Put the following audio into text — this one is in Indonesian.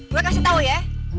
gue kasih tahu ya